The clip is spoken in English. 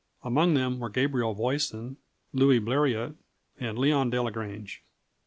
Among them were Gabriel Voisin, Louis Bleriot, and Leon Delagrange.